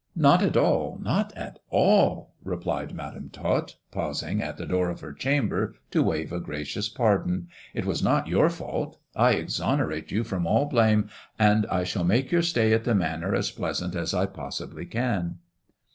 " Not at all ! not at all !" replied Madam Tot, pausing at the door of her chamber to wave a gracious pardon, " it was not your fault. I exonerate you from all blame, and I shall make your stay at the Manor as pleasant as I possibly can."